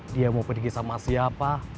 dia mau pergi sama siapa